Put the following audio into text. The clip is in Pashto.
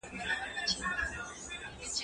زه به کتابونه وړلي وي!؟